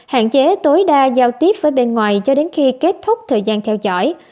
hạn chế tối đa giao tiếp với bên ngoài cho đến khi kết thúc thời gian theo dõi